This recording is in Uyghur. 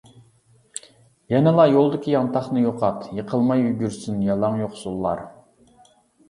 يەنىلا يولدىكى يانتاقنى يوقات، يىقىلماي يۈگۈرسۇن يالاڭ يوقسۇللار.